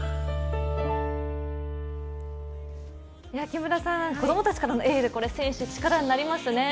木村さん、子供たちからのエール、選手は力になりますね。